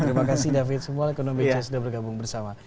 terima kasih david semua ekonomi bca sudah bergabung bersama